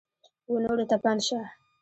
ونورو ته پند شه !